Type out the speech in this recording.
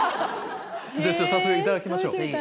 じゃあ早速いただきましょう。